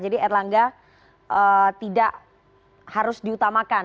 jadi erlangga tidak harus diutamakan